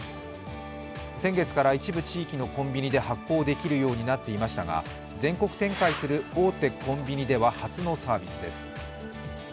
先月から一部地域のコンビニで発行できるようになっていましたが全国展開する大手コンビニでは初のサービスです。